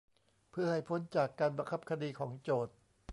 เพื่อให้พ้นจากการบังคับคดีของโจทก์